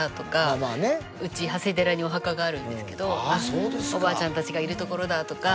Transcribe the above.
うち長谷寺にお墓があるんですけどおばあちゃんたちがいる所だとか。